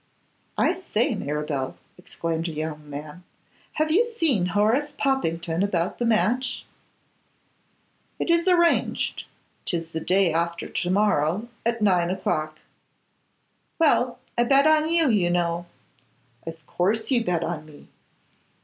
'I say, Mirabel,' exclaimed a young man, 'have you seen Horace Poppington about the match?' 'It is arranged; 'tis the day after to morrow, at nine o'clock.' 'Well, I bet on you, you know.' 'Of course you bet on me.